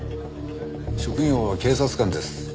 職業は警察官です。